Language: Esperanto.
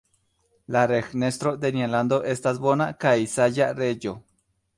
La regnestro de nia lando estas bona kaj saĝa reĝo.